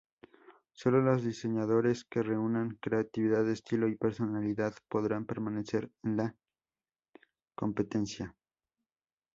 Sólo los diseñadores que reúnan creatividad, estilo y personalidad podrán permanecer en la competencia.